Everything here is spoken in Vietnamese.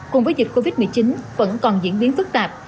cùng với dịch covid một mươi chín vẫn còn diễn biến phức tạp